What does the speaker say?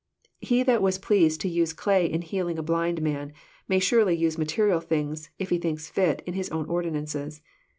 He that was pleased to use clay in healing a blind man, may surely use material things, if He thinks fit, in His own ordinances.